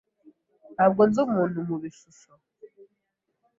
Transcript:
Ntabwo nzi umuntu mubishusho.